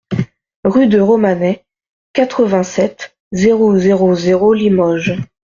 Rue de Romanet, quatre-vingt-sept, zéro zéro zéro Limoges